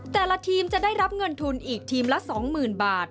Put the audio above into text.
แต่ละทีมจะได้รับเงินทุนอีกทีมละ๒๐๐๐บาท